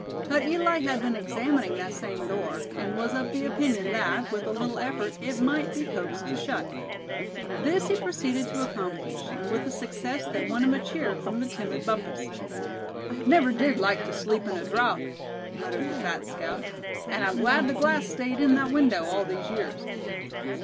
But Eli had been examining that same door, and was of the opinion that, with a little effort, it might be coaxed to shut. This he proceeded to accomplish, and with a success that won him a cheer from the timid Bumpus. "Never did like to sleep in a draught," muttered the fat scout; "and I'm glad the glass stayed in that window all these years."